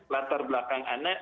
latar belakang anak